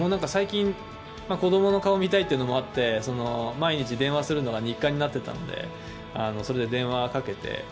最近、子供の顔を見たいというのもあって、毎日電話するのが日課になっていたので、電話をかけて。